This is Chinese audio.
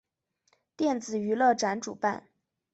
电子娱乐展主办。